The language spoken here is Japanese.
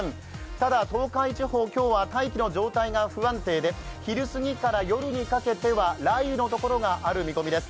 ただ、東海地方、今日は大気の状態が不安定で昼過ぎから夜にかけて雷雨のところがある見込みです。